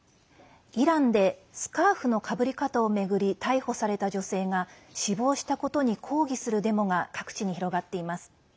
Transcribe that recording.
イランでスカーフのかぶり方を巡り逮捕された女性が死亡したことに抗議するデモが各地に広がっています。